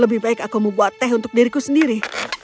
lebih baik aku membuat teh untuk diriku sendiri